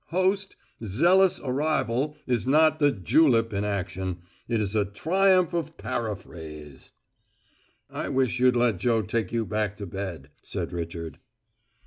Host, `zealous arrival' is not the julep in action: it is a triumph of paraphrase." "I wish you'd let Joe take you back to bed," said Richard.